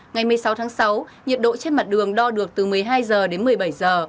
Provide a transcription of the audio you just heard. ngày một mươi sáu tháng sáu nhiệt độ trên mặt đường đo được từ một mươi hai giờ đến một mươi bảy giờ